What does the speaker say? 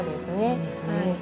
そうですねはい。